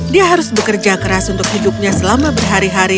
dia harus bekerja keras untuk hidupnya selama berhari hari